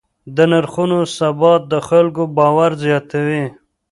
د نرخونو ثبات د خلکو باور زیاتوي.